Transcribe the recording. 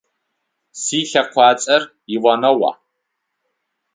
Слъэкъуацӏэр Иванова.